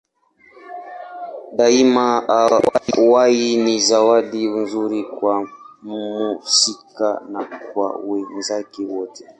Daima uhai ni zawadi nzuri kwa mhusika na kwa wenzake wote.